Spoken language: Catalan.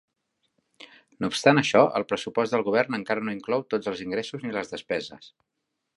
No obstant això, el pressupost del govern encara no inclou tots els ingressos ni les despeses.